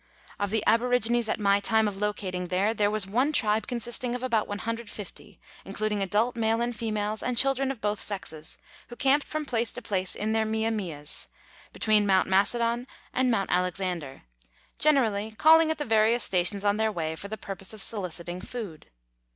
Of the aborigines at rny time of locating there, there was one tribe consisting of about 150, including adult males and females and children of both sexes, Avho camped from place to place in their mia mias, between Mount Macedon and Mount Alexander, generally calling at the various stations on their way for the purpose of soliciting food.